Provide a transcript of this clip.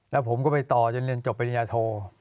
แล้วผมก็ไปต่อจนเรียนจบปริญญาโท